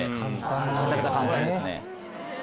めちゃくちゃ簡単ですね。